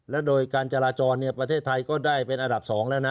และโดยการจราจรประเทศไทยก็ได้เป็นอันดับ๒แล้วนะ